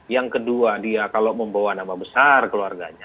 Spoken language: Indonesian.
yang kedua dia kalau membawa nama besar keluarganya